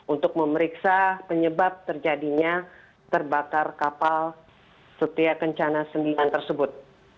untuk memeriksa penyebab terjadinya terbakar kapal setia kencana sembilan tersebut